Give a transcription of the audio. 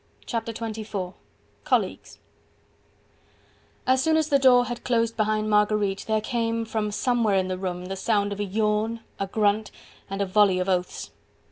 Chapter XXIV: Colleagues As soon as the door had closed behind Marguerite, there came from somewhere in the room the sound of a yawn, a grunt and a volley of oaths.